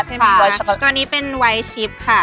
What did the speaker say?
ตัวนี้เป็นไวท์ชิปค่ะ